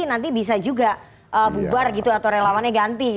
nanti bisa juga bubar gitu atau relawannya ganti